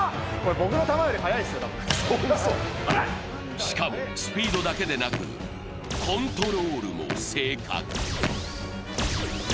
しかも、スピードだけでなくコントロールも正確。